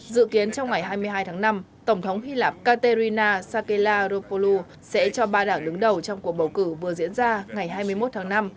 dự kiến trong ngày hai mươi hai tháng năm tổng thống hy lạp caterina sakella ropou sẽ cho ba đảng đứng đầu trong cuộc bầu cử vừa diễn ra ngày hai mươi một tháng năm